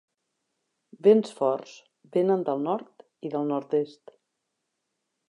Vents forts venen del nord i del nord-est.